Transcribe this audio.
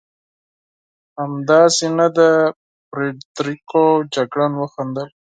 همداسې نه ده فرېدرېکو؟ جګړن وخندل.